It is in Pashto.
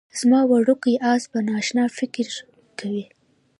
زما وړوکی اس به نا اشنا فکر کوي